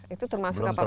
itu termasuk apa pasalnya